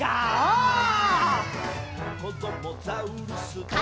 「こどもザウルス